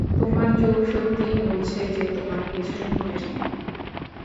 তোমার চোখ সত্যিই বলছে যে তোমার কিছুই মনে নেই।